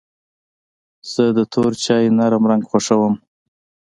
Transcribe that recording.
زه د تور چای نرم رنګ خوښوم.